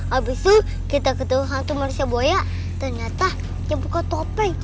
habis itu kita ketemu hantu marsya boya ternyata dia buka topeng